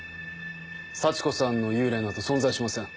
幸子さんの幽霊など存在しません。